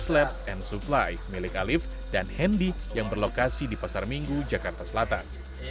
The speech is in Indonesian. tujuh puluh enam labs and supply milik alif dan handi yang berlokasi di pasar minggu jakarta selatan